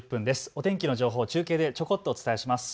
お天気の情報を中継でちょこっとお伝えします。